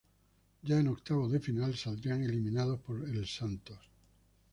Ya en octavos de final saldrían eliminados por el Santos.